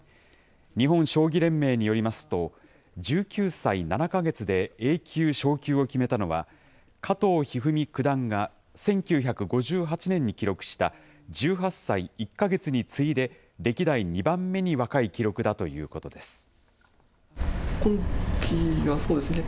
日本将棋連盟によりますと、１９歳７か月でＡ級昇給を決めたのは、加藤一二三九段が１９５８年に記録した１８歳１か月に次いで、歴代２番目に若い記録だということです。